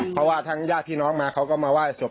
เพราะว่าทั้งญาติพี่น้องมาเขาก็มาไหว้ศพ